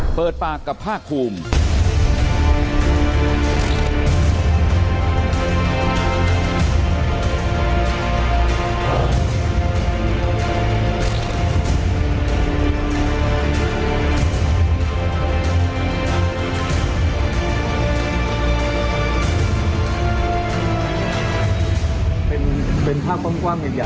เปิดปากกับผ้าคลุม